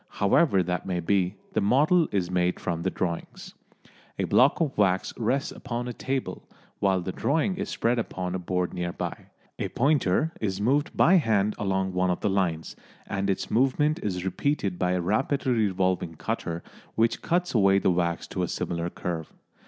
However that may be, the model is made from the drawings. A block of wax rests upon a table, while the drawing is spread upon a board near by. A pointer is moved by hand along one of the lines, and its movement is repeated by a rapidly revolving cutter which cuts away the wax to a similar curve.